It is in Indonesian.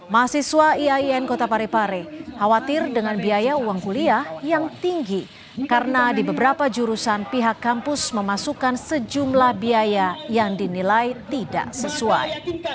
mahasiswa iain kota parepare khawatir dengan biaya uang kuliah yang tinggi karena di beberapa jurusan pihak kampus memasukkan sejumlah biaya yang dinilai tidak sesuai